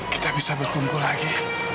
kita bisa berkumpul lagi